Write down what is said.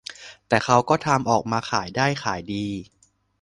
แต่เค้าก็ทำออกมาขายได้ขายดี